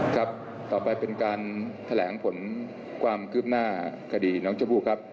ครับต่อไปเป็นการแถลงผลความคืบหน้าคดีน้องชมพู่ครับ